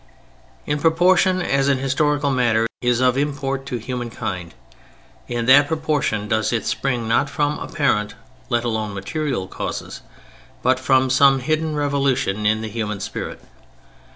In proportion as an historical matter is of import to human kind, in that proportion does it spring not from apparent—let alone material—causes, but from some hidden revolution in the human spirit.